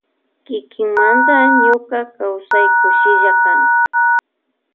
Kikimanda ñuka kausai kushillakan.